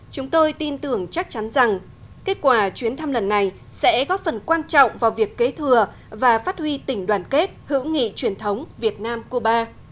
chúng tôi tin tưởng chắc chắn rằng kết quả chuyến thăm lần này sẽ góp phần quan trọng vào việc kế thừa và phát huy tình đoàn kết hữu nghị truyền thống việt nam cuba